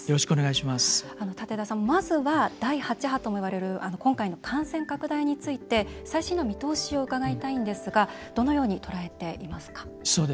まずは第８波ともいわれる今回の感染拡大について最新の見通しを伺いたいんですがどのように捉えていますか？